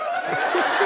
ハハハハ！